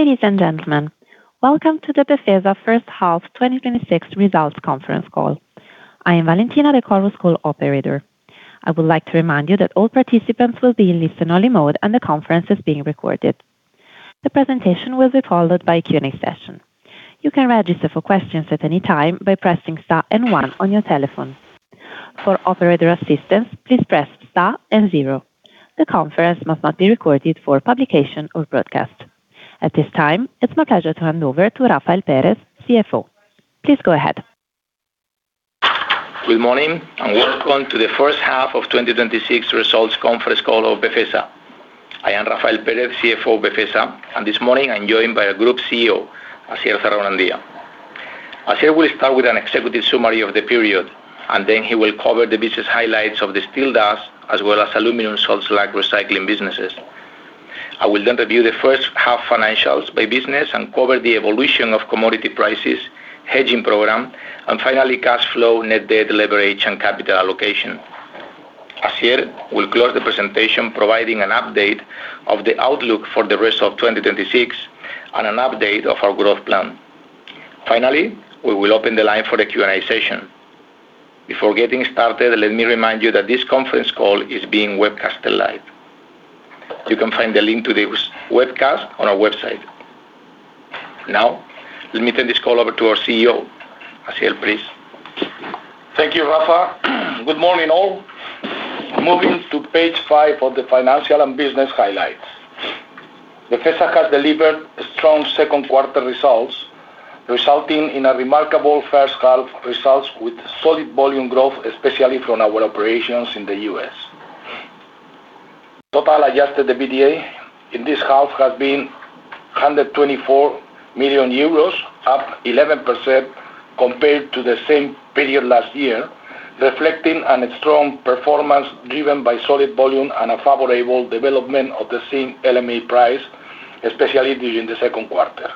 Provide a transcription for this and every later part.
Ladies and gentlemen, welcome to the Befesa first half 2026 results conference call. I am Valentina, the Chorus Call operator. I would like to remind you that all participants will be in listen-only mode and the conference is being recorded. The presentation will be followed by a Q&A session. You can register for questions at any time by pressing star and one on your telephone. For operator assistance, please press star and zero. The conference must not be recorded for publication or broadcast. At this time, it's my pleasure to hand over to Rafael Pérez, CFO. Please go ahead. Good morning, and welcome to the first half of 2026 results conference call of Befesa. I am Rafael Pérez, CFO of Befesa, this morning I'm joined by our group CEO, Asier Zarraonandia. Asier will start with an executive summary of the period, then he will cover the business highlights of the steel dust, as well as aluminium salt slag recycling businesses. I will then review the first half financials by business cover the evolution of commodity prices, hedging program, finally, cash flow, net debt leverage, and capital allocation. Asier will close the presentation, providing an update of the outlook for the rest of 2026 and an update of our growth plan. Finally, we will open the line for the Q&A session. Before getting started, let me remind you that this conference call is being webcast live. You can find the link to this webcast on our website. Let me turn this call over to our CEO. Asier, please. Thank you, Rafa. Good morning, all. Moving to page five of the financial and business highlights. Befesa has delivered strong second quarter results, resulting in remarkable first half results with solid volume growth, especially from our operations in the U.S. Total adjusted EBITDA in this half has been 124 million euros, up 11% compared to the same period last year, reflecting a strong performance driven by solid volume and a favorable development of the zinc LME price, especially during the second quarter.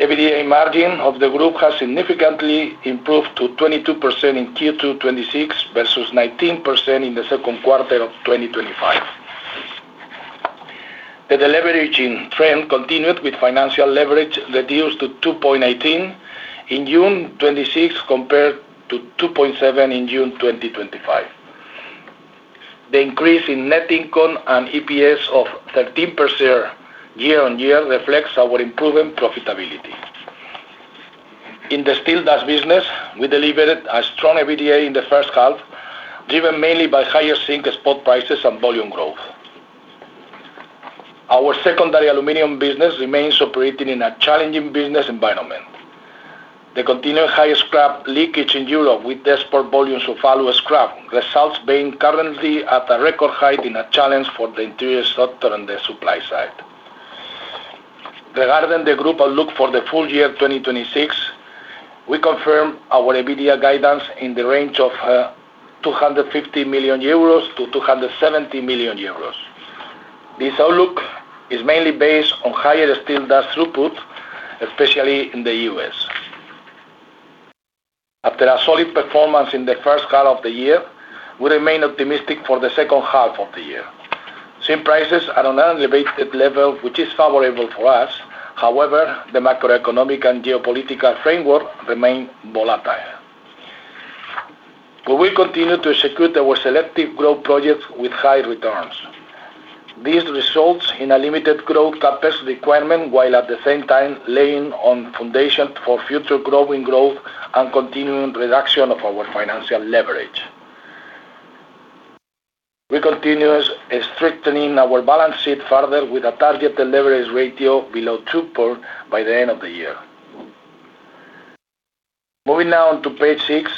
EBITDA margin of the group has significantly improved to 22% in Q2 2026 versus 19% in the second quarter of 2025. The deleveraging trend continued with financial leverage reduced to 2.18 in June 2026, compared to 2.7 in June 2025. The increase in net income and EPS of 13% year-on-year reflects our improving profitability. In the steel dust business, we delivered a strong EBITDA in the first half, driven mainly by higher zinc spot prices and volume growth. Our secondary aluminum business remains operating in a challenging business environment. The continued high scrap leakage in Europe with export volumes of alloy scrap results being currently at a record high being a challenge for the interior sector and the supply side. Regarding the group outlook for the full-year 2026, we confirm our EBITDA guidance in the range of 250 million-270 million euros. This outlook is mainly based on higher steel dust throughput, especially in the U.S. After a solid performance in the first half of the year, we remain optimistic for the second half of the year. Zinc prices are at an elevated level, which is favorable for us. However, the macroeconomic and geopolitical framework remain volatile. We will continue to execute our selective growth projects with high returns. These result in a limited growth capacity requirement, while at the same time laying the foundation for future growth and continued reduction of our financial leverage. We continue strengthening our balance sheet further with a target leverage ratio below 2.0 by the end of the year. Moving now on to page six,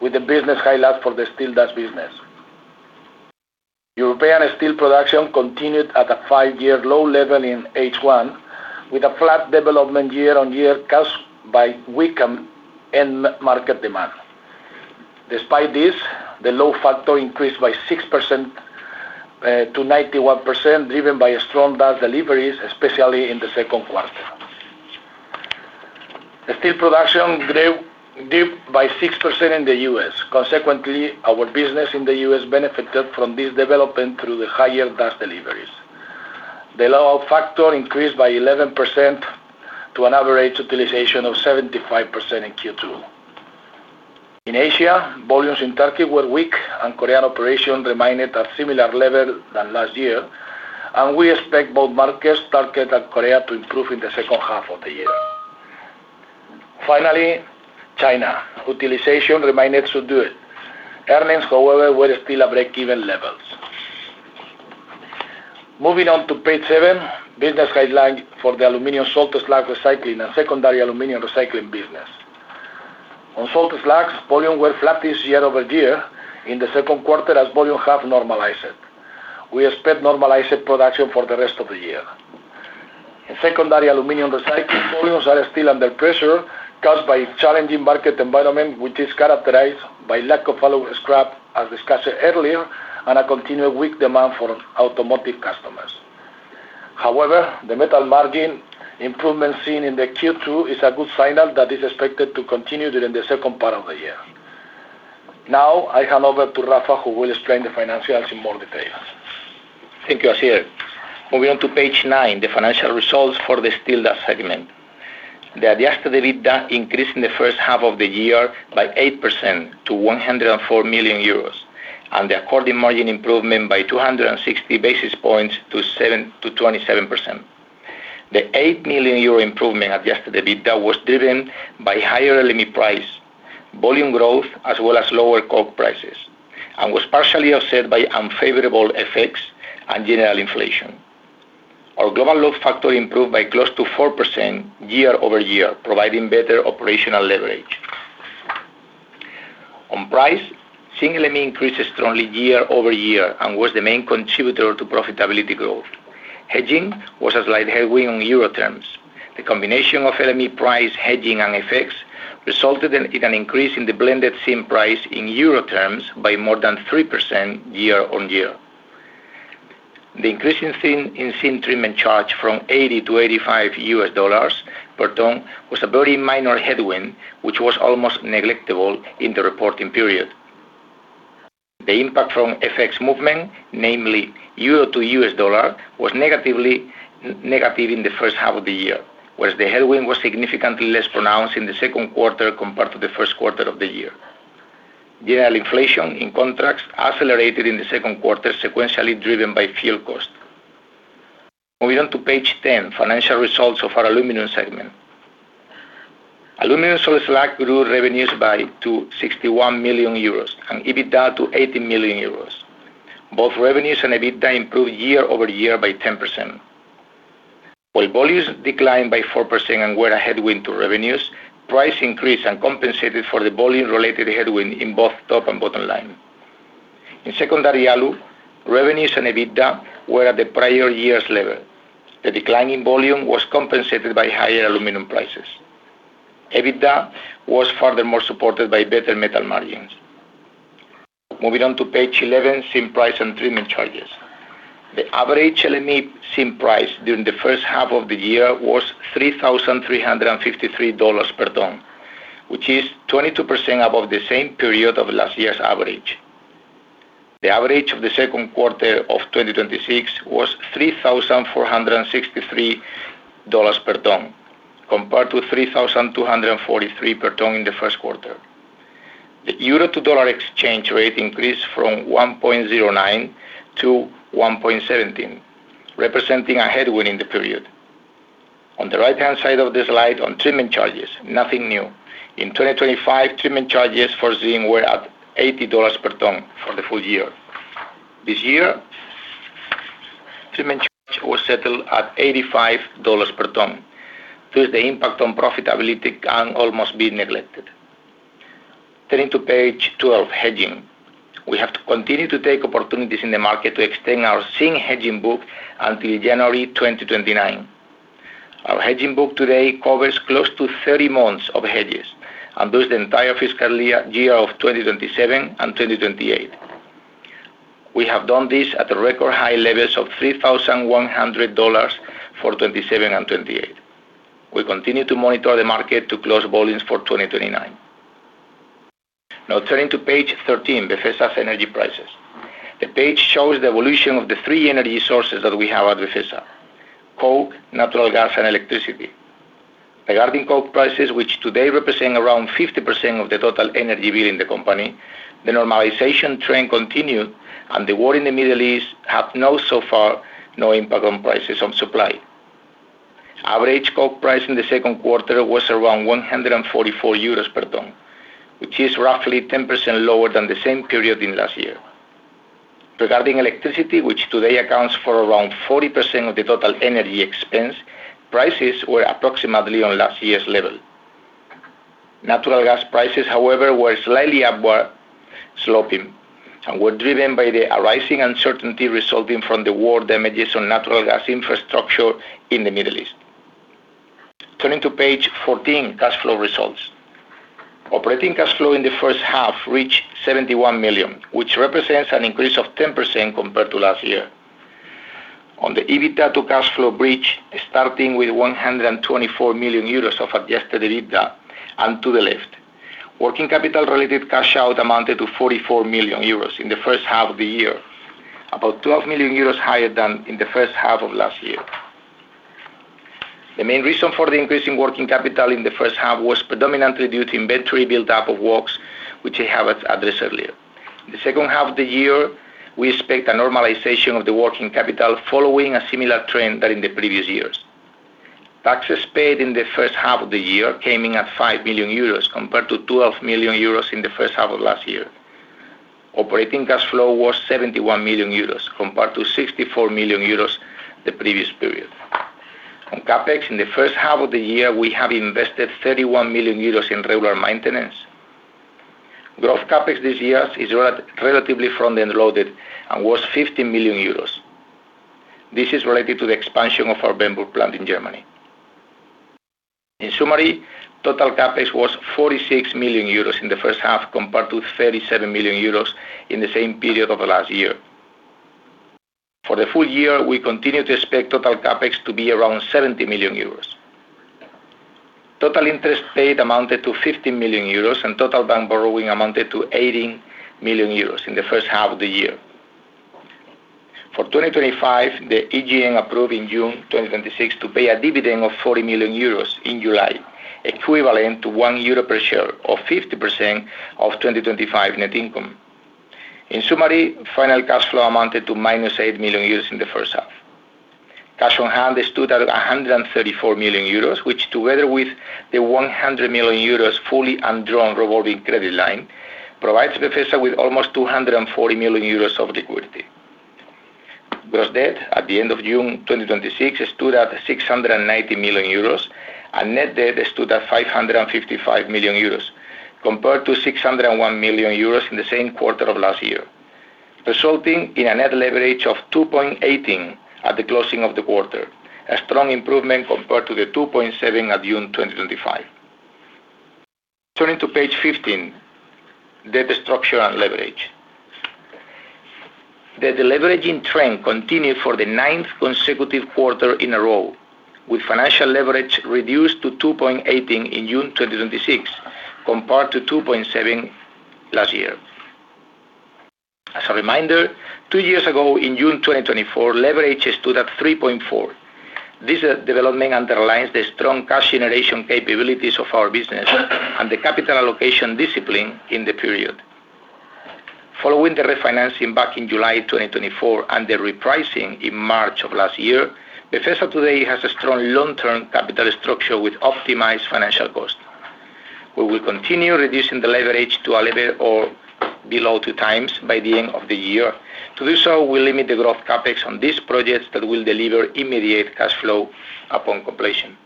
with the business highlights for the steel dust business. European steel production continued at a five-year low level in H1, with a flat development year-on-year caused by weakened end market demand. Despite this, the load factor increased by 6% to 91%, driven by strong dust deliveries, especially in the second quarter. The steel production dipped by 6% in the U.S. Consequently, our business in the U.S. benefited from this development through the higher dust deliveries. The load factor increased by 11% to an average utilization of 75% in Q2. In Asia, volumes in Turkey were weak, and Korean operations remained at a similar level to last year. We expect both markets, Turkey and Korea, to improve in the second half of the year. Finally, China utilization remained subdued. Earnings, however, were still at breakeven levels. Moving on to page seven, business highlight for the aluminium salt slag recycling and secondary aluminum recycling business. On salt slags, volumes were flat year-over-year in the second quarter as volumes have normalized. We expect normalized production for the rest of the year. In secondary aluminum recycling, volumes are still under pressure caused by challenging market environment, which is characterized by lack of alloy scrap, as discussed earlier, and a continued weak demand for automotive customers. However, the metal margin improvement seen in Q2 is a good signal that is expected to continue during the second part of the year. Now I hand over to Rafa, who will explain the financials in more details. Thank you, Asier. Moving on to page nine, the financial results for the steel dust segment. The adjusted EBITDA increased in the first half of the year by 8% to 104 million euros, and the according margin improvement by 260 basis points to 27%. The 8 million euro improvement adjusted EBITDA was driven by higher LME price, volume growth, as well as lower coke prices, and was partially offset by unfavorable effects and general inflation. Our global load factor improved by close to 4% year-over-year, providing better operational leverage. On price, single LME increased strongly year-over-year and was the main contributor to profitability growth. Hedging was a slight headwind on euro terms. The combination of LME price hedging and effects resulted in an increase in the blended zinc price in euro terms by more than 3% year-over-year. The increase in zinc treatment charge from $80 to $85 per ton was a very minor headwind, which was almost negligible in the reporting period. The impact from FX movement, namely euro to US dollar, was negative in the first half of the year, whereas the headwind was significantly less pronounced in the second quarter compared to the first quarter of the year. General inflation in contrast accelerated in the second quarter, sequentially driven by fuel cost. Moving on to page 10, financial results of our aluminum segment. Aluminium salt slag grew revenues to 61 million euros and EBITDA to 18 million euros. Both revenues and EBITDA improved year-over-year by 10%. While volumes declined by 4% and were a headwind to revenues, price increased and compensated for the volume-related headwind in both top and bottom line. In secondary alu, revenues and EBITDA were at the prior year's level. The decline in volume was compensated by higher aluminium prices. EBITDA was furthermore supported by better metal margins. Moving on to page 11, zinc price and treatment charges. The average LME zinc price during the first half of the year was $3,353 per ton, which is 22% above the same period of last year's average. The average of the second quarter of 2026 was $3,463 per ton, compared to $3,243 per ton in the first quarter. The euro to dollar exchange rate increased from 1.09 to 1.17, representing a headwind in the period. On the right-hand side of the slide on treatment charges, nothing new. In 2025, treatment charges for zinc were at $80 per ton for the full-year. This year, treatment charge was settled at $85 per ton. Thus, the impact on profitability can almost be neglected. Turning to page 12, hedging. We have to continue to take opportunities in the market to extend our zinc hedging book until January 2029. Our hedging book today covers close to 30 months of hedges and thus the entire fiscal year of 2027 and 2028. We have done this at the record high levels of $3,100 for 2027 and 2028. We continue to monitor the market to close volumes for 2029. Now turning to page 13, Befesa's energy prices. The page shows the evolution of the three energy sources that we have at Befesa, coke, natural gas, and electricity. Regarding coke prices, which today represent around 50% of the total energy bill in the company, the normalization trend continued and the war in the Middle East have now so far no impact on prices on supply. Average coke price in the second quarter was around 144 euros per ton, which is roughly 10% lower than the same period in last year. Regarding electricity, which today accounts for around 40% of the total energy expense, prices were approximately on last year's level. Natural gas prices, however, were slightly upward sloping and were driven by the arising uncertainty resulting from the war damages on natural gas infrastructure in the Middle East. Turning to page 14, cash flow results. Operating cash flow in the first half reached 71 million, which represents an increase of 10% compared to last year. On the EBITDA to cash flow bridge, starting with 124 million euros of adjusted EBITDA and to the left. Working capital related cash out amounted to 44 million euros in the first half of the year, about 12 million euros higher than in the first half of last year. The main reason for the increase in working capital in the first half was predominantly due to inventory buildup of WOX, which I have addressed earlier. In the second half of the year, we expect a normalization of the working capital following a similar trend than in the previous years. Taxes paid in the first half of the year came in at 5 million euros compared to 12 million euros in the first half of last year. Operating cash flow was 71 million euros compared to 64 million euros the previous period. On CapEx, in the first half of the year, we have invested 31 million euros in regular maintenance. Growth CapEx this year is relatively front-end loaded and was 15 million euros. This is related to the expansion of our Bernburg plant in Germany. In summary, total CapEx was 46 million euros in the first half, compared to 37 million euros in the same period of the last year. For the full-year, we continue to expect total CapEx to be around 70 million euros. Total interest paid amounted to 50 million euros, and total bank borrowing amounted to 80 million euros in the first half of the year. For 2025, the AGM approved in June 2026 to pay a dividend of 40 million euros in July, equivalent to 1 euro per share, or 50% of 2025 net income. In summary, final cash flow amounted to -8 million euros in the first half. Cash on hand stood at 134 million euros, which together with the 100 million euros fully undrawn revolving credit line, provides Befesa with almost 240 million euros of liquidity. Gross debt at the end of June 2026 stood at 690 million euros, and net debt stood at 555 million euros, compared to 601 million euros in the same quarter of last year, resulting in a net leverage of 2.18 at the closing of the quarter. A strong improvement compared to the 2.7 at June 2025. Turning to page 15, debt structure and leverage. The deleveraging trend continued for the ninth consecutive quarter in a row, with financial leverage reduced to 2.18 in June 2026 compared to 2.7 last year. As a reminder, two years ago, in June 2024, leverage stood at 3.4. This development underlines the strong cash generation capabilities of our business and the capital allocation discipline in the period. Following the refinancing back in July 2024 and the repricing in March of last year, Befesa today has a strong long-term capital structure with optimized financial cost. We will continue reducing the leverage to a level or below 2x by the end of the year. To do so, we'll limit the growth CapEx on these projects that will deliver immediate cash flow upon completion.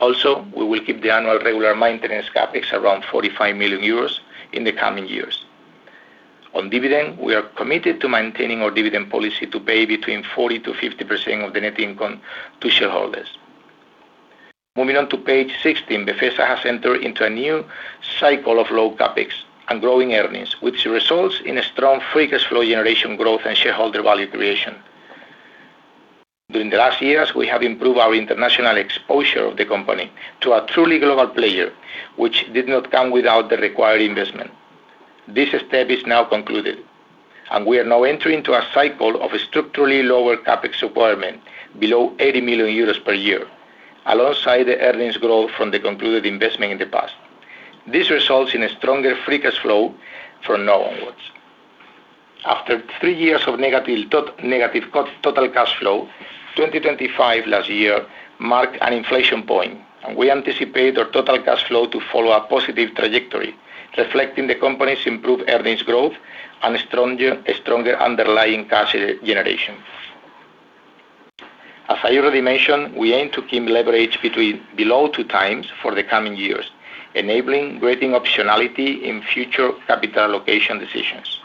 Also, we will keep the annual regular maintenance CapEx around 45 million euros in the coming years. On dividend, we are committed to maintaining our dividend policy to pay between 40%-50% of the net income to shareholders. Moving on to page 16. Befesa has entered into a new cycle of low CapEx and growing earnings, which results in a strong free cash flow generation growth and shareholder value creation. During the last years, we have improved our international exposure of the company to a truly global player, which did not come without the required investment. This step is now concluded. We are now entering into a cycle of structurally lower CapEx requirement below 80 million euros per year alongside the earnings growth from the concluded investment in the past. This results in a stronger free cash flow from now onwards. After three years of negative total cash flow, 2025 last year marked an inflection point. We anticipate our total cash flow to follow a positive trajectory, reflecting the company's improved earnings growth and a stronger underlying cash generation. As I already mentioned, we aim to keep leverage between below 2x for the coming years, enabling rating optionality in future capital allocation decisions.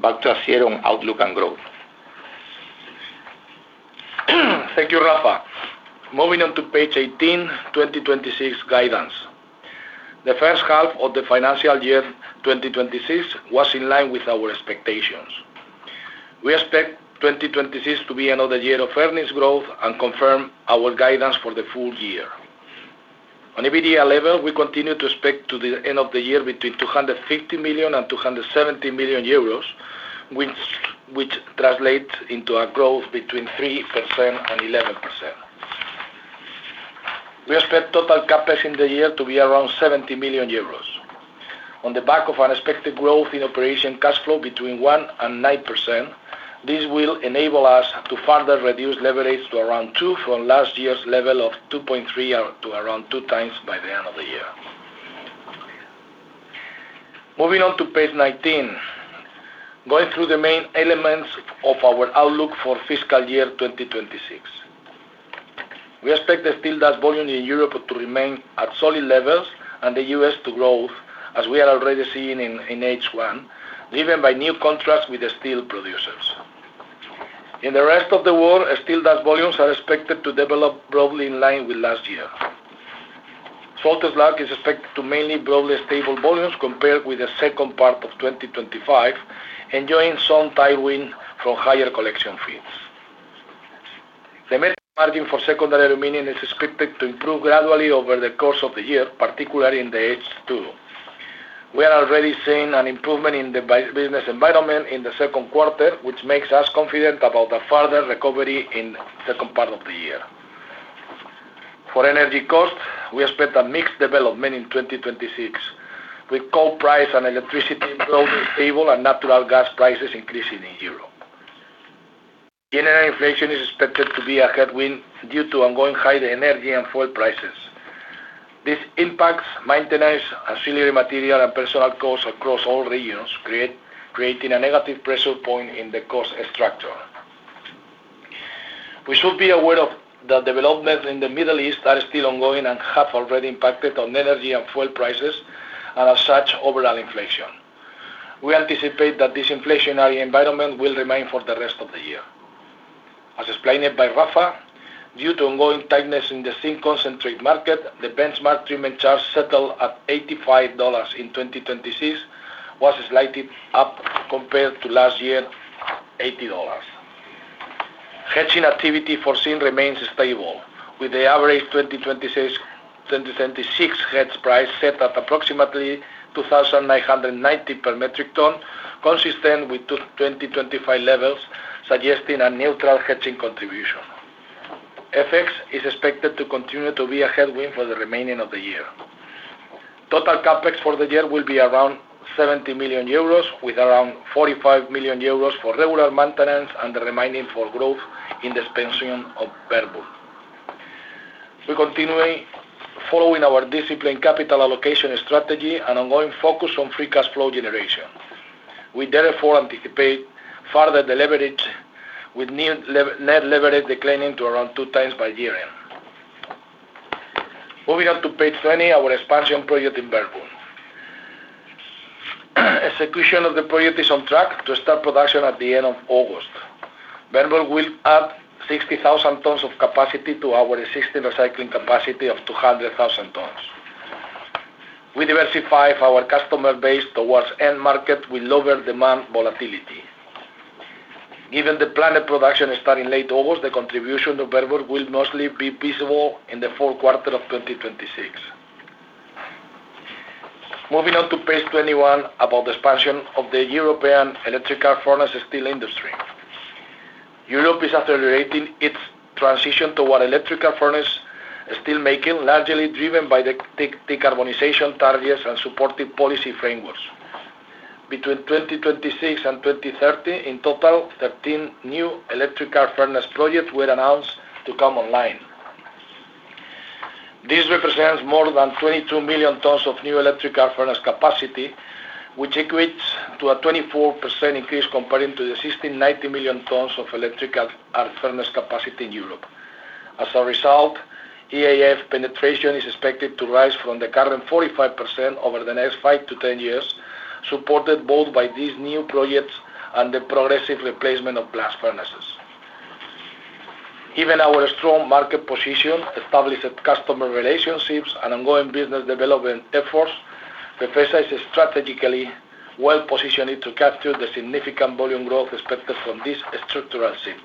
Back to Asier on outlook and growth. Thank you, Rafa. Moving on to page 18, 2026 guidance. The first half of the financial year 2026 was in line with our expectations. We expect 2026 to be another year of earnings growth and confirm our guidance for the full-year. On EBITDA level, we continue to expect to the end of the year between 250 million and 270 million euros, which translates into a growth between 3% and 11%. We expect total CapEx in the year to be around 70 million euros. On the back of an expected growth in operation cash flow between 1% and 9%, this will enable us to further reduce leverage to around 2 from last year's level of 2.3, to around 2x by the end of the year. Moving on to page 19. Going through the main elements of our outlook for fiscal year 2026. We expect the steel dust volume in Europe to remain at solid levels and the U.S. to grow, as we are already seeing in H1, driven by new contracts with the steel producers. In the rest of the world, steel dust volumes are expected to develop broadly in line with last year. Salt slag is expected to mainly broadly stable volumes compared with the second part of 2025, enjoying some tailwind from higher collection fees. The metal margin for secondary aluminum is expected to improve gradually over the course of the year, particularly in the H2. We are already seeing an improvement in the business environment in the second quarter, which makes us confident about a further recovery in the second part of the year. For energy cost, we expect a mixed development in 2026, with coal price and electricity remaining stable and natural gas prices increasing in Europe. General inflation is expected to be a headwind due to ongoing high energy and fuel prices. This impacts maintenance, auxiliary material, and personnel costs across all regions, creating a negative pressure point in the cost structure. We should be aware of the developments in the Middle East are still ongoing and have already impacted on energy and fuel prices, as such, overall inflation. We anticipate that this inflationary environment will remain for the rest of the year. As explained by Rafa, due to ongoing tightness in the zinc concentrate market, the benchmark treatment charge settled at $85 in 2026, was slightly up compared to last year, $80. Hedging activity for zinc remains stable, with the average 2026 hedge price set at approximately 2,990 per metric ton, consistent with 2025 levels, suggesting a neutral hedging contribution. FX is expected to continue to be a headwind for the remaining of the year. Total CapEx for the year will be around 70 million euros, with around 45 million euros for regular maintenance and the remaining for growth in the expansion of Bernburg. We are continuing following our disciplined capital allocation strategy and ongoing focus on free cash flow generation. We therefore anticipate further de-leverage, with net leverage declining to around 2x by year-end. Moving on to page 20, our expansion project in Bernburg. Execution of the project is on track to start production at the end of August. Bernburg will add 60,000 tons of capacity to our existing recycling capacity of 200,000 tons. We diversify our customer base towards end market with lower demand volatility. Given the planned production starting late August, the contribution of Bernburg will mostly be visible in the fourth quarter of 2026. Moving on to page 21 about the expansion of the European electric arc furnace steel industry. Europe is accelerating its transition toward electric arc furnace steel making, largely driven by the decarbonization targets and supportive policy frameworks. Between 2026 and 2030, in total, 13 new electric arc furnace projects were announced to come online. This represents more than 22 million tons of new electric arc furnace capacity, which equates to a 24% increase compared to existing 90 million tons of electric arc furnace capacity in Europe. As a result, EAF penetration is expected to rise from the current 45% over the next 5-10 years, supported both by these new projects and the progressive replacement of blast furnaces. Given our strong market position, established customer relationships, and ongoing business development efforts, Befesa is strategically well-positioned to capture the significant volume growth expected from this structural shift.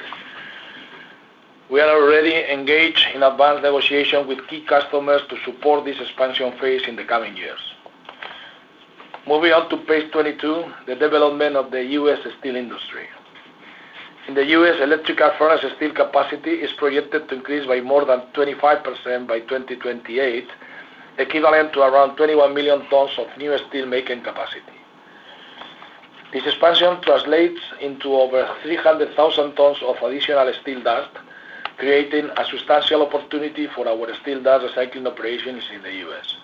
We are already engaged in advanced negotiation with key customers to support this expansion phase in the coming years. Moving on to page 22, the development of the U.S. steel industry. In the U.S., electric arc furnace steel capacity is projected to increase by more than 25% by 2028, equivalent to around 21 million tons of new steel-making capacity. This expansion translates into over 300,000 tons of additional steel dust, creating a substantial opportunity for our steel dust recycling operations in the U.S.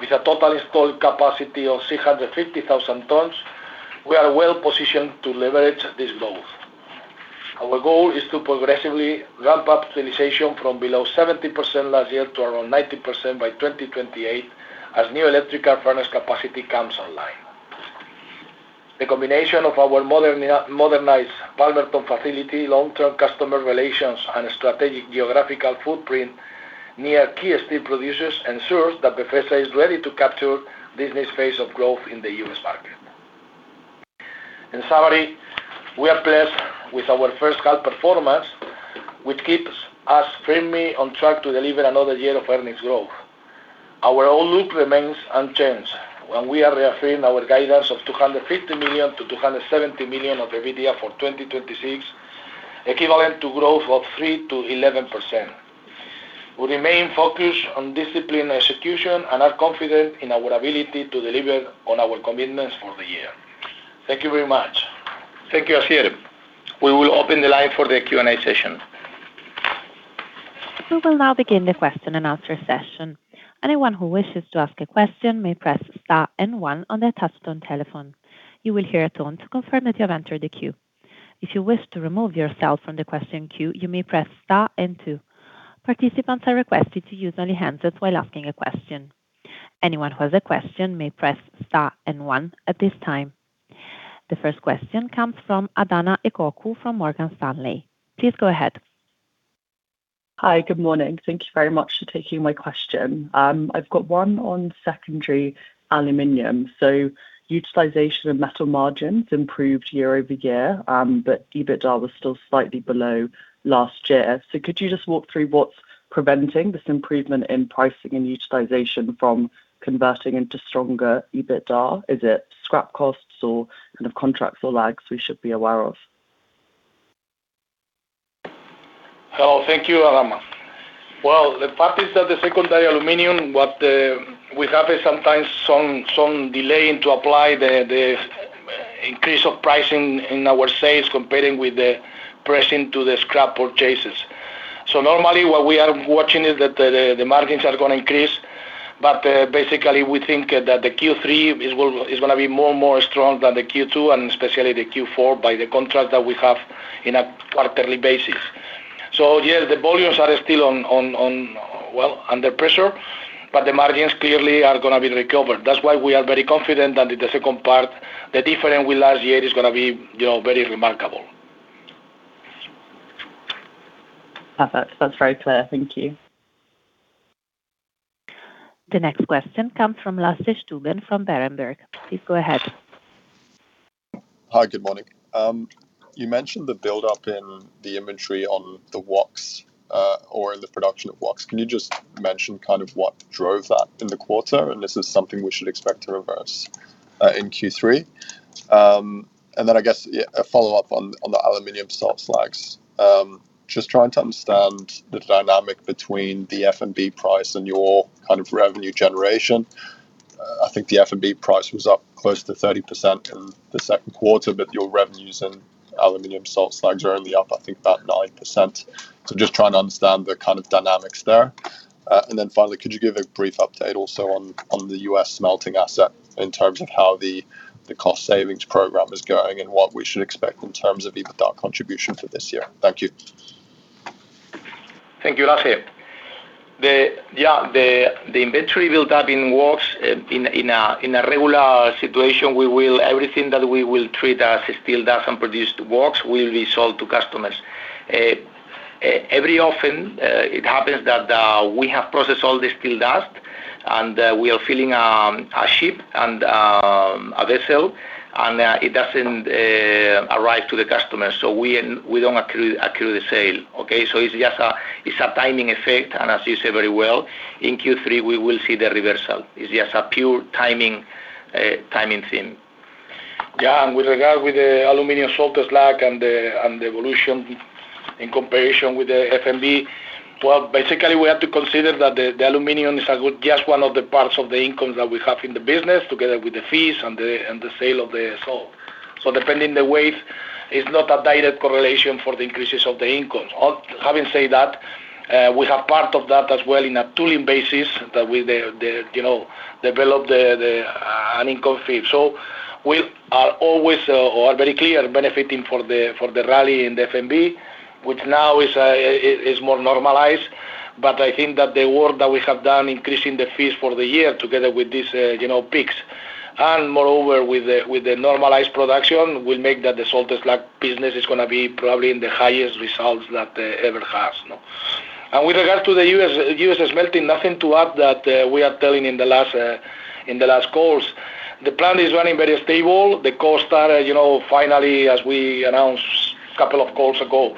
With a total installed capacity of 650,000 tons, we are well positioned to leverage this growth. Our goal is to progressively ramp up utilization from below 70% last year to around 90% by 2028 as new electric arc furnace capacity comes online. The combination of our modernized Palmerton facility, long-term customer relations, and strategic geographical footprint near key steel producers ensures that Befesa is ready to capture this next phase of growth in the U.S. market. In summary, we are pleased with our first half performance, which keeps us firmly on track to deliver another year of earnings growth. Our outlook remains unchanged, and we are reaffirming our guidance of 250 million-270 million of EBITDA for 2026, equivalent to growth of 3%-11%. We remain focused on disciplined execution and are confident in our ability to deliver on our commitments for the year. Thank you very much. Thank you, Asier. We will open the line for the Q&A session. We will now begin the question-and-answer session. Anyone who wishes to ask a question may press star and one on their touch-tone telephone. You will hear a tone to confirm that you have entered the queue. If you wish to remove yourself from the question queue, you may press star and two. Participants are requested to use only hands-ups while asking a question. Anyone who has a question may press star and one at this time. The first question comes from Adahna Ekoku from Morgan Stanley. Please go ahead. Hi. Good morning. Thank you very much for taking my question. I've got one on secondary aluminum. Utilization of metal margins improved year-over-year, EBITDA was still slightly below last year. Could you just walk through what's preventing this improvement in pricing and utilization from converting into stronger EBITDA? Is it scrap costs or kind of contractual lags we should be aware of? Hello. Thank you, Adahna. Well, the fact is that the secondary aluminum, what we have is sometimes some delay in to apply the increase of pricing in our sales comparing with the pricing to the scrap purchases. Normally, what we are watching is that the margins are going to increase, basically, we think that the Q3 is going to be more strong than the Q2 and especially the Q4 by the contract that we have in a quarterly basis. Yes, the volumes are still under pressure, but the margins clearly are going to be recovered. That's why we are very confident that in the second part, the difference with last year is going to be very remarkable. That's very clear. Thank you. The next question comes from Lasse Stüben from Berenberg. Please go ahead. Hi. Good morning. You mentioned the buildup in the inventory on the WOX, or in the production of WOX. Can you just mention what drove that in the quarter, and this is something we should expect to reverse, in Q3? A follow-up on the aluminium salt slags. Just trying to understand the dynamic between the FMB price and your revenue generation. I think the FMB price was up close to 30% in the second quarter, but your revenues in aluminium salt slags are only up, I think, about 9%. Just trying to understand the kind of dynamics there. Finally, could you give a brief update also on the U.S. smelting asset in terms of how the cost savings program is going and what we should expect in terms of EBITDA contribution for this year? Thank you. Thank you, Lasse. The inventory buildup in WOX, in a regular situation, everything that we will treat as steel dust and produced WOX will be sold to customers. Every often, it happens that we have processed all the steel dust and we are filling a ship and a vessel, and it doesn't arrive to the customer. We don't accrue the sale. Okay? It's a timing effect, and as you say very well, in Q3, we will see the reversal. It's just a pure timing thing. Yeah. With regard with the aluminium salt slag and the evolution in comparison with the FMB, well, basically, we have to consider that the aluminium is just one of the parts of the incomes that we have in the business, together with the fees and the sale of the salt. Depending the weight, it's not a direct correlation for the increases of the incomes. Having said that, we have part of that as well in a tolling basis that we develop an income fee. We are always, or are very clear, benefiting for the rally in the FMB, which now is more normalized. I think that the work that we have done increasing the fees for the year together with these peaks, and moreover, with the normalized production, will make that the salt slag business is going to be probably in the highest results that it ever has. With regard to the U.S. smelting, nothing to add that we are telling in the last calls. The plant is running very stable. The costs are finally, as we announced a couple of calls ago,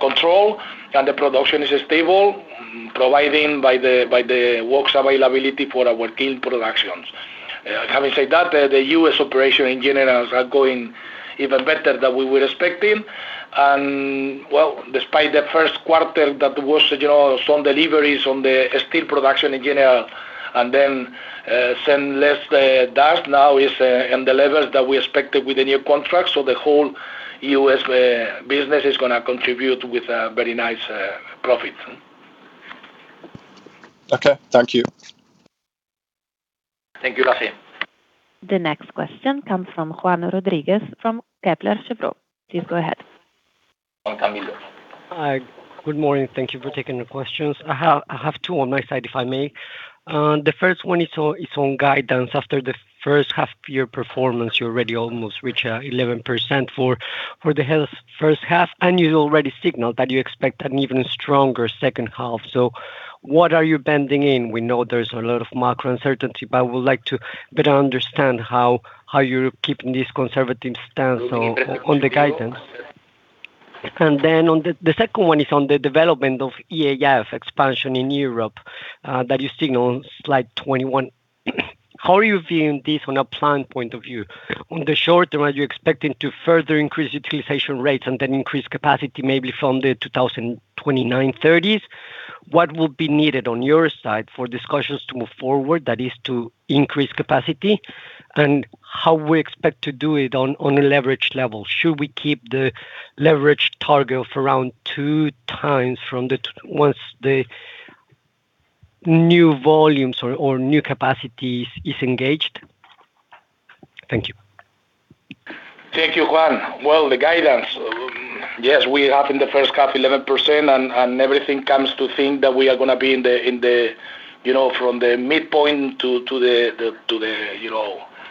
controlled, and the production is stable, providing by the WOX availability for our kiln productions. Having said that, the U.S. operations in general are going even better than we were expecting. Well, despite the first quarter that was some deliveries on the steel production in general, and then send less dust, now is in the levels that we expected with the new contract. The whole U.S. business is going to contribute with very nice profits. Okay. Thank you. Thank you, Lasse. The next question comes from Juan Rodriguez from Kepler Cheuvreux. Please go ahead. Juan, continue. Hi. Good morning. Thank you for taking the questions. I have two on my side, if I may. The first one is on guidance. After the first half year performance, you already almost reach 11% for the first half, you already signaled that you expect an even stronger second half. What are you banding in? We know there's a lot of macro uncertainty, I would like to better understand how you're keeping this conservative stance on the guidance. The second one is on the development of EAF expansion in Europe, that you signal on slide 21. How are you viewing this on a plant point of view? On the short term, are you expecting to further increase utilization rates then increase capacity maybe from the 2029-2030s? What will be needed on your side for discussions to move forward, that is, to increase capacity? How we expect to do it on a leverage level? Should we keep the leverage target of around 2x once the new volumes or new capacities is engaged? Thank you. Thank you, Juan. Well, the guidance. Yes, we have in the first half 11%. Everything comes to think that we are going to be from the midpoint to the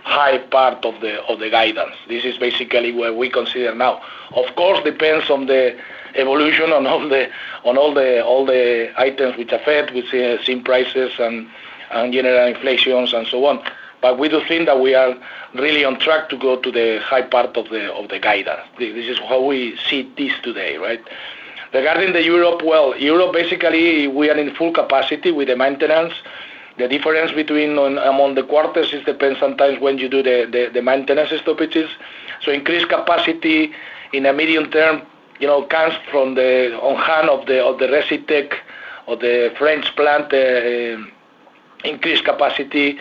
high part of the guidance. This is basically what we consider now. Of course, depends on the evolution on all the items which affect. We see zinc prices and general inflations and so on. We do think that we are really on track to go to the high part of the guidance. This is how we see this today, right. Regarding the Europe, well, Europe, basically, we are in full capacity with the maintenance. The difference among the quarters is depends sometimes when you do the maintenance stoppages. Increased capacity in a medium term, comes from the on hand of the Recytech, of the French plant, increased capacity,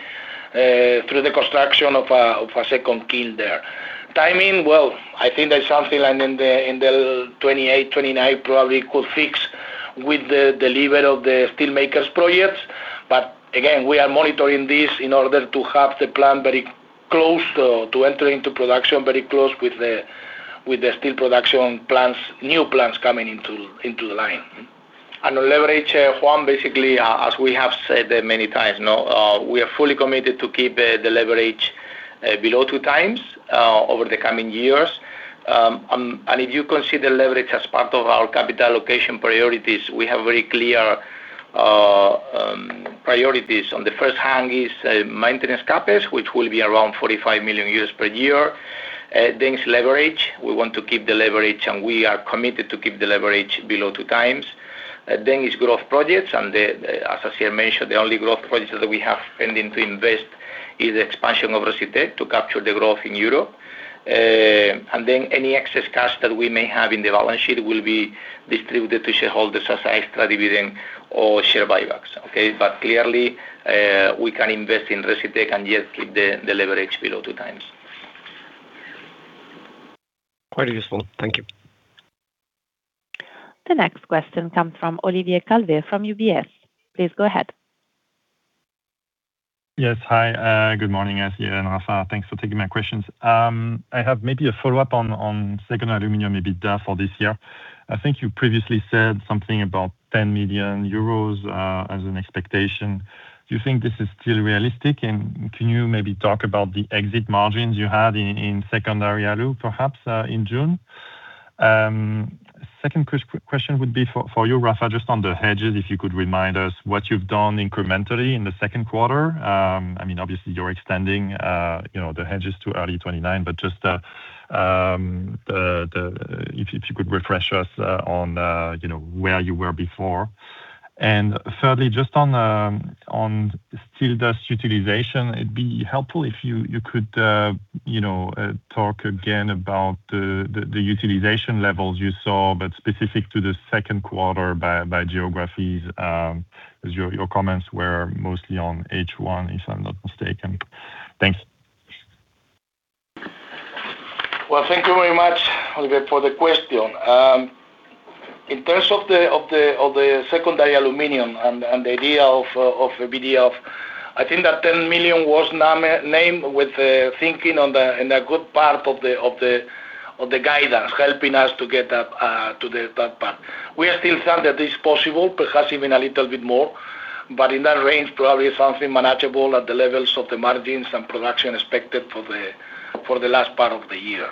through the construction of a second kiln there. Timing, well, I think that's something like in the 2028, 2029 probably could fix with the delivery of the steelmakers projects. Again, we are monitoring this in order to have the plant very close to entering to production, very close with the steel production new plants coming into line. The leverage, Juan, basically, as we have said many times, we are fully committed to keep the leverage below 2x, over the coming years. If you consider leverage as part of our capital allocation priorities, we have very clear priorities. On the first hand is maintenance CapEx, which will be around 45 million euros per year. It's leverage. We want to keep the leverage, and we are committed to keep the leverage below 2x. It's growth projects, and as I mentioned, the only growth projects that we have pending to invest is expansion of Recytec to capture the growth in Europe. Any excess cash that we may have in the balance sheet will be distributed to shareholders as extra dividend or share buybacks. Okay. Clearly, we can invest in Recytec and yet keep the leverage below 2x. Quite useful. Thank you. The next question comes from Olivier Calvet from UBS. Please go ahead. Yes. Hi, good morning, Asier and Rafa. Thanks for taking my questions. I have maybe a follow-up on secondary aluminum EBITDA for this year. I think you previously said something about 10 million euros, as an expectation. Do you think this is still realistic? Can you maybe talk about the exit margins you had in secondary alu, perhaps, in June? Second question would be for you, Rafa, just on the hedges, if you could remind us what you've done incrementally in the second quarter. Obviously, you're extending the hedges to early 2029, but just if you could refresh us on where you were before. Thirdly, just on steel dust utilization, it'd be helpful if you could talk again about the utilization levels you saw, but specific to the second quarter by geographies, as your comments were mostly on H1, if I'm not mistaken. Thanks. Well, thank you very much, Olivier, for the question. In terms of the secondary aluminum and the idea of EBITDA, I think that 10 million was named with thinking on the good part of the guidance, helping us to get to that part. We still found that it is possible, perhaps even a little bit more, but in that range, probably something manageable at the levels of the margins and production expected for the last part of the year.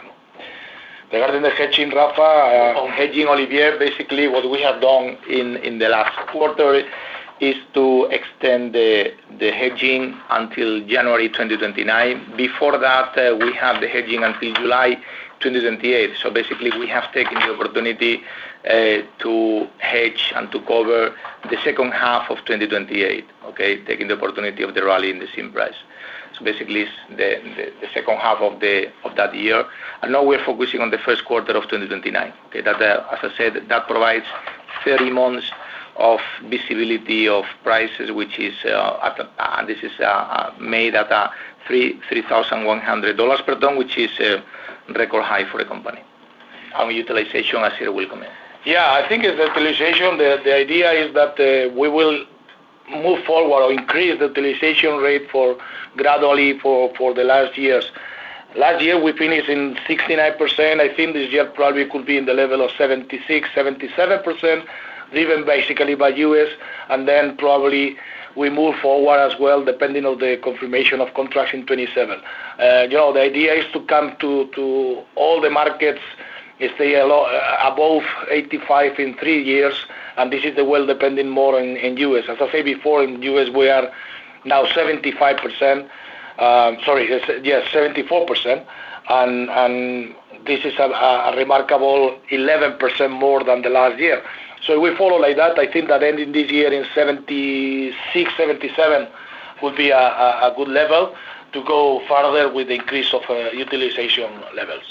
Regarding the hedging, Rafa. On hedging, Olivier, basically what we have done in the last quarter is to extend the hedging until January 2029. Before that, we have the hedging until July 2028. Basically, we have taken the opportunity to hedge and to cover the second half of 2028. Okay. Taking the opportunity of the rally in the zinc price. Basically, the second half of that year. Now we're focusing on the first quarter of 2029. As I said, that provides 30 months of visibility of prices, and this is made at EUR 3,100 per ton, which is a record high for the company. On utilization, Asier will comment. Yeah, I think with utilization, the idea is that we will move forward or increase the utilization rate gradually for the last years. Last year, we finished in 69%. I think this year probably could be in the level of 76%-77%, driven basically by U.S. Then probably we move forward as well, depending on the confirmation of contracts 2027. The idea is to come to all the markets, stay above 85% in three years, and this is the world depending more in U.S. As I said before, in U.S., we are now 75%. Sorry. Yes, 74%, and this is a remarkable 11% more than the last year. We follow like that. I think that ending this year in 76%-77% would be a good level to go farther with increase of utilization levels.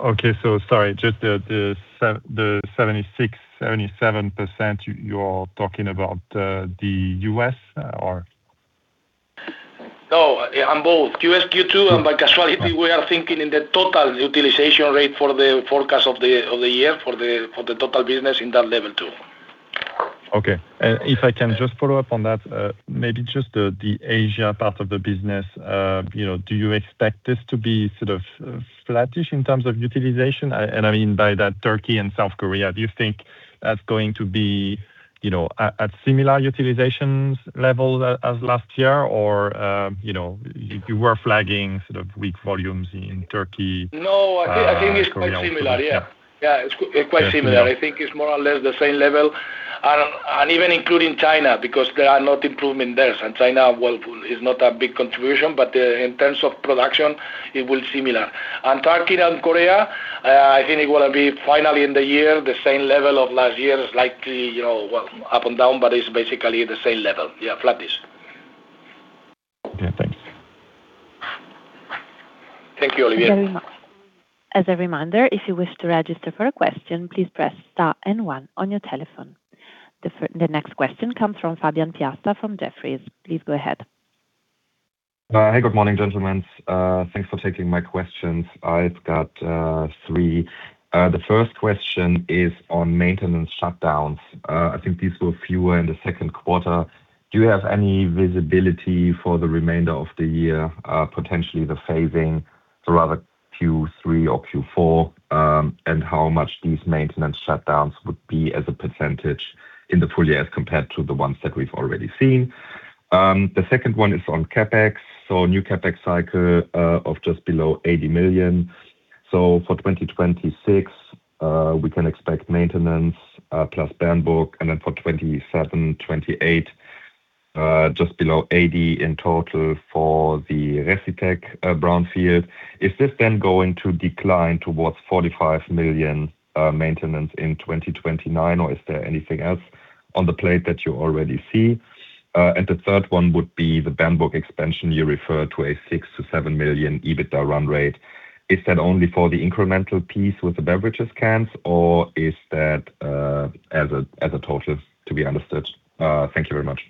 Okay. Sorry, just the 76%-77%, you're talking about the U.S., or? No, on both U.S. Q2 and by casualty, we are thinking in the total utilization rate for the forecast of the year for the total business in that level, too. Okay. If I can just follow up on that, maybe just the Asia part of the business. Do you expect this to be flattish in terms of utilization? I mean by that, Turkey and South Korea. Do you think that's going to be at similar utilization level as last year? You were flagging weak volumes in Turkey. No, I think it's quite similar. Yeah. Yeah. Yeah, it's quite similar. I think it's more or less the zinc level. Even including China, because there are no improvement there. China, well, is not a big contribution, but in terms of production, it will similar. Turkey and Korea, I think it will be finally in the year, the zinc level of last year is likely, up and down, but it's basically the zinc level. Yeah, flattish. Okay, thanks. Thank you, Olivier. Very much. As a reminder, if you wish to register for a question, please press star and one on your telephone. The next question comes from Fabian Piasta from Jefferies. Please go ahead. Hey, good morning, gentlemen. Thanks for taking my questions. I've got three. The first question is on maintenance shutdowns. I think these were fewer in the second quarter. Do you have any visibility for the remainder of the year, potentially the phasing for either Q3 or Q4, and how much these maintenance shutdowns would be as a percentage in the full-year as compared to the ones that we've already seen? The second one is on CapEx. New CapEx cycle of just below 80 million. For 2026, we can expect maintenance plus Bernburg, and then for 2027, 2028, just below 80 million in total for the Recytech brownfield. Is this then going to decline towards 45 million maintenance in 2029, or is there anything else on the plate that you already see? The third one would be the Bernburg expansion. You referred to a 6 million-7 million EBITDA run rate. Is that only for the incremental piece with the beverages cans, or is that as a total to be understood? Thank you very much.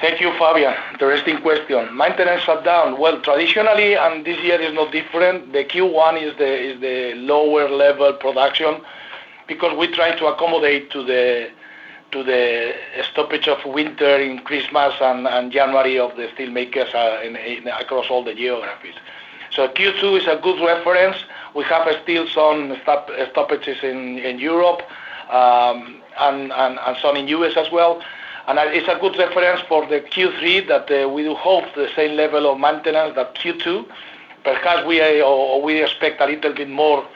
Thank you, Fabian. Interesting question. Maintenance shutdown. Well, traditionally, and this year is no different, the Q1 is the lower level of production because we try to accommodate to the stoppage of winter in Christmas and January of the steel makers across all the geographies. Q2 is a good reference. We have still some stoppages in Europe, and some in the U.S. as well. It's a good reference for the Q3 that we hope the zinc level of maintenance that Q2. Perhaps we expect a little bit more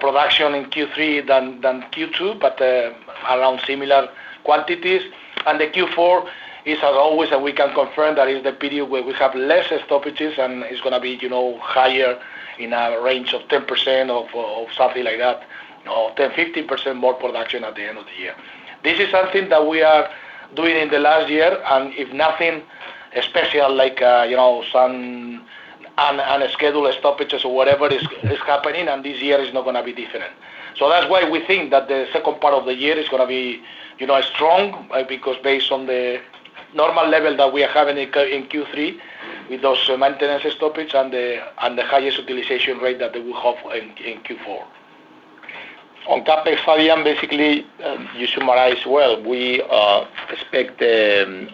production in Q3 than Q2, but around similar quantities. The Q4 is as always, we can confirm that is the period where we have less stoppages and it's going to be higher in a range of 10% or something like that, or 10%-15% more production at the end of the year. This is something that we are doing in the last year, if nothing especially unscheduled stoppages or whatever is happening, and this year is not going to be different. That's why we think that the second part of the year is going to be strong, because based on the normal level that we are having in Q3 with those maintenance stoppages and the highest utilization rate that we will have in Q4. On CapEx, Fabian, basically, you summarized well. We expect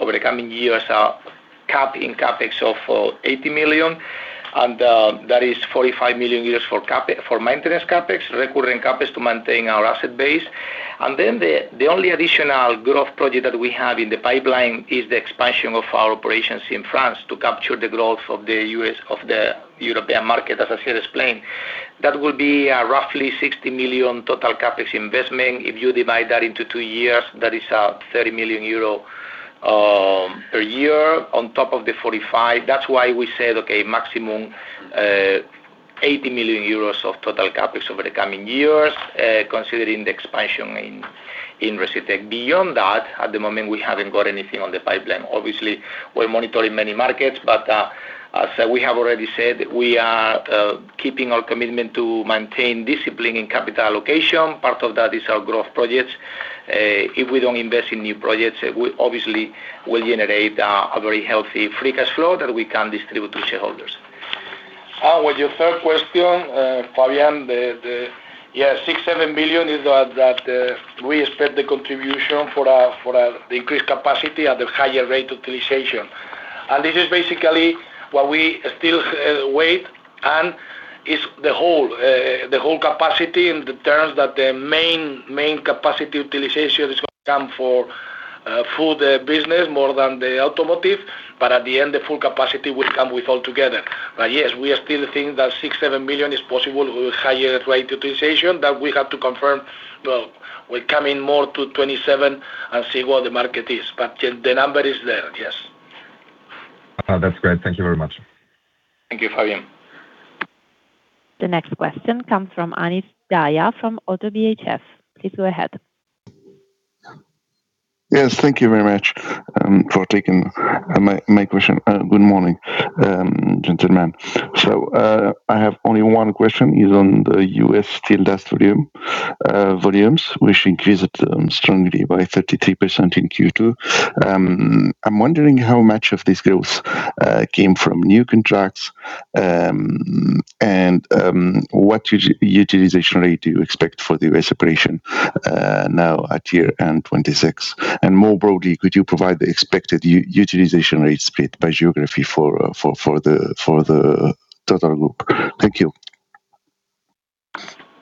over the coming years a cap in CapEx of 80 million, and that is 45 million euros for maintenance CapEx, recurring CapEx to maintain our asset base. Then the only additional growth project that we have in the pipeline is the expansion of our operations in France to capture the growth of the European market, as I said, explained. That will be roughly 60 million total CapEx investment. If you divide that into two years, that is 30 million euro per year on top of the 45 million. That's why we said, okay, maximum 80 million euros of total CapEx over the coming years, considering the expansion in Recytech. Beyond that, at the moment, we haven't got anything on the pipeline. Obviously, we're monitoring many markets, but as we have already said, we are keeping our commitment to maintain discipline in capital allocation. Part of that is our growth projects. If we don't invest in new projects, we obviously will generate a very healthy free cash flow that we can distribute to shareholders. With your third question, Fabian, the 6 million-7 million is that we expect the contribution for the increased capacity at a higher rate utilization. This is basically what we still wait and is the whole capacity in the terms that the main capacity utilization is going to come for food business more than the automotive. At the end, the full capacity will come with altogether. Yes, we are still thinking that 6 million-7 million is possible with higher rate utilization that we have to confirm. Well, we come in more to 2027 and see what the market is, but the number is there, yes. That's great. Thank you very much. Thank you, Fabian. The next question comes from Anis Zgaya from ODDO BHF. Please go ahead. Yes, thank you very much for taking my question. Good morning, gentlemen. I have only one question is on the U.S. steel dust volume. Volumes, which increased strongly by 33% in Q2. I'm wondering how much of this growth came from new contracts, and what utilization rate do you expect for the U.S. operation now at year end 2026? More broadly, could you provide the expected utilization rate split by geography for the total group? Thank you.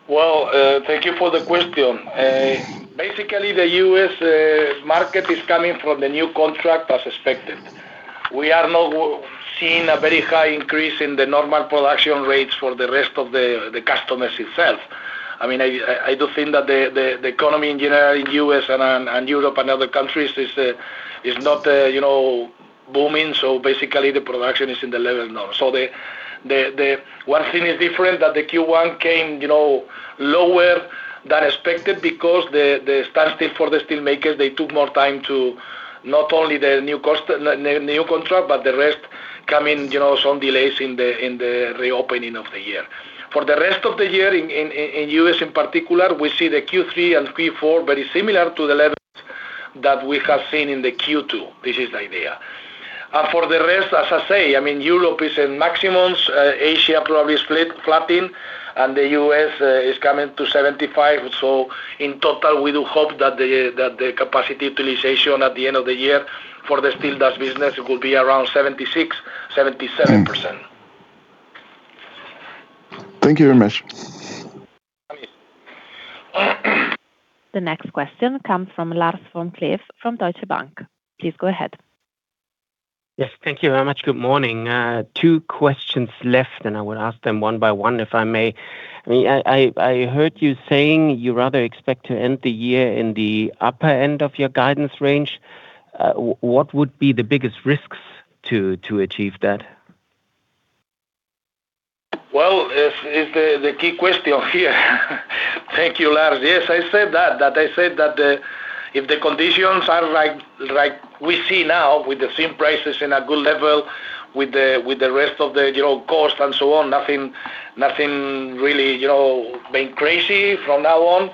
Well, thank you for the question. The U.S. market is coming from the new contract as expected. We are not seeing a very high increase in the normal production rates for the rest of the customers itself. I do think that the economy in general in U.S. and Europe and other countries is not booming. The production is in the level now. One thing is different, that the Q1 came lower than expected because the standstill for the steelmakers, they took more time to not only the new contract, but the rest, coming some delays in the reopening of the year. For the rest of the year, in U.S. in particular, we see the Q3 and Q4 very similar to the levels that we have seen in the Q2. This is the idea. For the rest, as I say, Europe is in maximums, Asia probably is flattening, and the U.S. is coming to 75%. In total, we do hope that the capacity utilization at the end of the year for the steel dust business will be around 76%-77%. Thank you very much. Yes. The next question comes from Lars Vom-Cleff, from Deutsche Bank. Please go ahead. Yes. Thank you very much. Good morning. Two questions left. I will ask them one by one, if I may. I heard you saying you rather expect to end the year in the upper end of your guidance range. What would be the biggest risks to achieve that? Well, it's the key question here. Thank you, Lars. Yes, I said that I said that if the conditions are like we see now with the zinc prices in a good level, with the rest of the cost and so on, nothing really being crazy from now on.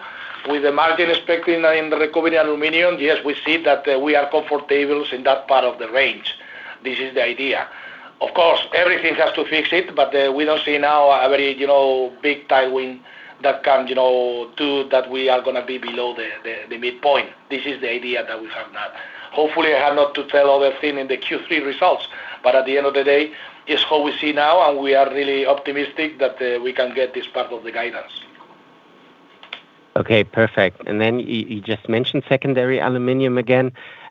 With the margin expecting in the secondary aluminum, yes, we see that we are comfortable in that part of the range. This is the idea. We don't see now a very big tailwind that can do that we are going to be below the midpoint. This is the idea that we have now. Hopefully, I have not to tell other thing in the Q3 results, at the end of the day, it's what we see now, and we are really optimistic that we can get this part of the guidance. Okay, perfect. You just mentioned secondary aluminum again.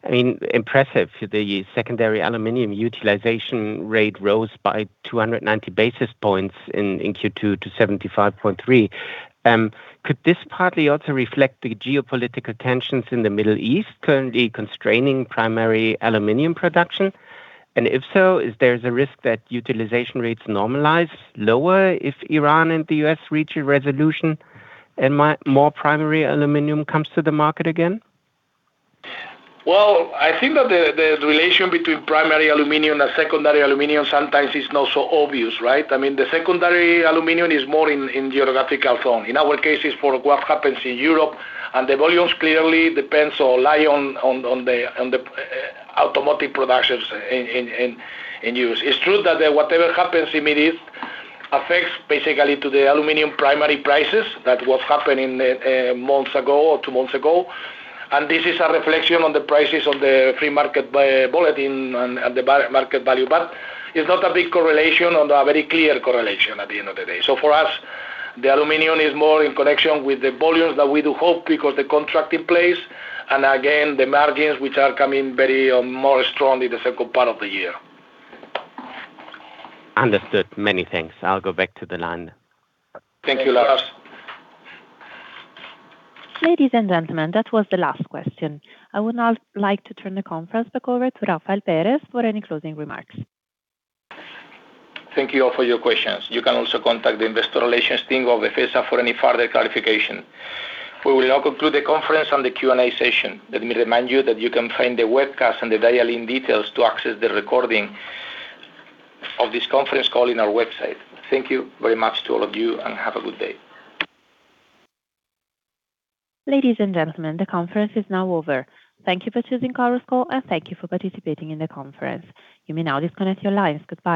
Impressive, the secondary aluminum utilization rate rose by 290 basis points in Q2 to 75.3. Could this partly also reflect the geopolitical tensions in the Middle East currently constraining primary aluminum production? If so, is there a risk that utilization rates normalize lower if Iran and the U.S. reach a resolution, and more primary aluminum comes to the market again? Well, I think that the relation between primary aluminum and secondary aluminum sometimes is not so obvious, right? The secondary aluminum is more in geographical zone. In our case, it's for what happens in Europe. The volumes clearly depends or rely on the automotive productions in use It's true that whatever happens in Middle East affects basically to the aluminum primary prices. That was happening months ago or two months ago. This is a reflection on the prices on the free market bulletin and the market value. It's not a big correlation or a very clear correlation at the end of the day. For us, the aluminum is more in connection with the volumes that we do hope because the contract in place, and again, the margins which are coming very more strong in the second part of the year. Understood. Many thanks. I'll go back to the line. Thank you, Lars. Ladies and gentlemen, that was the last question. I would now like to turn the conference back over to Rafael Pérez for any closing remarks. Thank you all for your questions. You can also contact the investor relations team of Befesa for any further clarification. We will now conclude the conference and the Q&A session. Let me remind you that you can find the webcast and the dial-in details to access the recording of this conference call in our website. Thank you very much to all of you, and have a good day. Ladies and gentlemen, the conference is now over. Thank you for choosing Chorus Call, and thank you for participating in the conference. You may now disconnect your lines. Goodbye